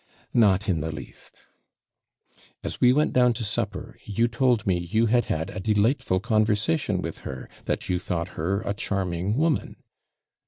'Not in the least.' 'As we went down to supper, you told me you had had a delightful conversation with her that you thought her a charming woman.'